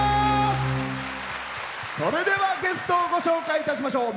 それではゲストをご紹介いたしましょう。